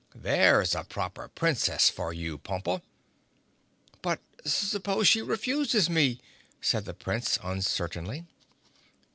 There's a Proper Princess for you, Pompa!" "But suppose she refuses me," said the Prince uncertainly.